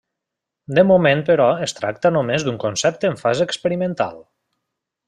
De moment però es tracta només d'un concepte en fase experimental.